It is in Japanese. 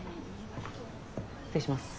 失礼します。